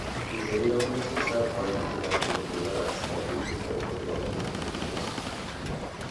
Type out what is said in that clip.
জমি দখলের চেষ্টা, ভয়ভীতি দেখানো কিংবা রাস্তায় বিভিন্নভাবে প্রতিবন্ধকতা তৈরি করছেন।